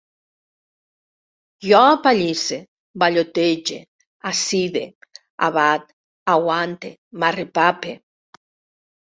Jo apalisse, ballotege, acide, abat, aguante, m'arrepape